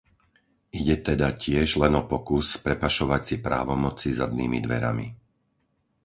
Ide teda tiež len o pokus prepašovať si právomoci zadnými dverami.